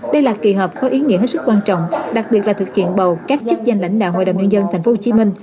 đây là kỳ họp có ý nghĩa hết sức quan trọng đặc biệt là thực hiện bầu các chức danh lãnh đạo hội đồng nhân dân tp hcm